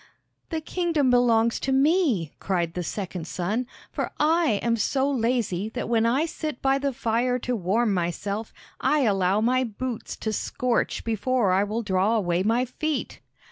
"The kingdom belongs to me," cried the second son; "for I am so lazy that when I sit by the fire to warm myself, I allow my boots to scorch before I will draw away my feet!"